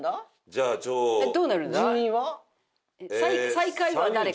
最下位は誰か。